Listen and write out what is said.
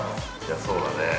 ◆そうだね。